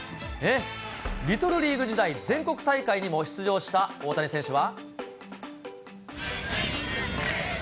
リトルリーグ時代、全国大会にも出場した大谷選手は。